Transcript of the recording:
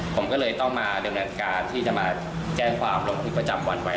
ผมก็เลยต้องมาเริ่มรับการที่จะมาแก้ความลงทึกประจำวันไว้